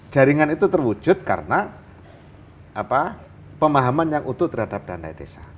jaringan itu terwujud karena pemahaman yang utuh terhadap dana desa